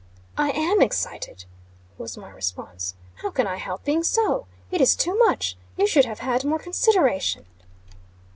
"I am excited," was my response. "How can I help being so? It is too much! You should have had more consideration."